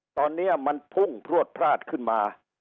ตอนนี้มันพุ่งพลวดพลาดขึ้นมา